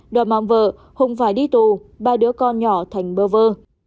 đoàn mạng vợ hùng phải đi tù ba đứa con nhỏ thành bơ vơ